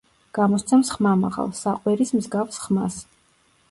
გამოსცემს ხმამაღალ, საყვირის მსგავს ხმას.